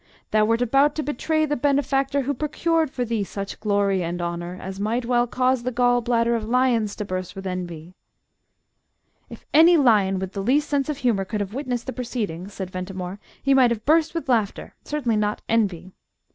Thou wert about to betray the benefactor who procured for thee such glory and honour as might well cause the gall bladder of lions to burst with envy!" "If any lion with the least sense of humour could have witnessed the proceedings," said Ventimore, "he might have burst with laughter certainly not envy.